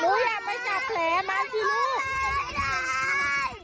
อย่าไปจับแผลมาสิลูก